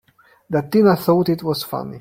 That Tina thought it was funny!